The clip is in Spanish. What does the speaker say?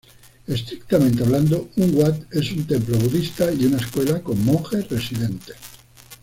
Estrictamente hablando, un Wat es un templo budista y una escuela con monjes residentes.